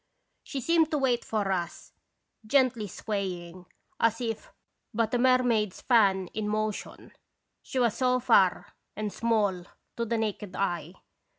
She seemed to wait for us, gently swaying, as if but a mermaid's fan in motion, she was so far and small to the naked eye.